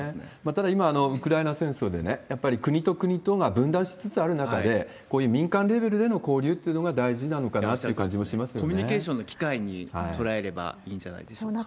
ただ、今ウクライナ戦争でやっぱり国と国とが分断しつつある中で、こういう民間レベルでの交流っていうのが大事なのかなって感じもコミュニケーションの機会に捉えればいいんじゃないでしょうか。